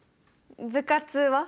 部活は？